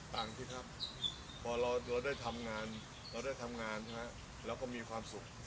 ต่างที่ครับพอเราได้ทำงานเราก็มีความสุข